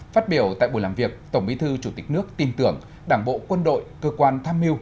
phát biểu tại buổi làm việc tổng bí thư chủ tịch nước tin tưởng đảng bộ quân đội cơ quan tham mưu